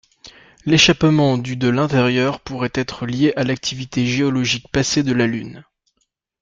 L'échappement du de l'intérieur pourrait être lié à l'activité géologique passée de la lune.